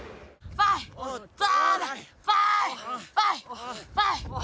ファイト！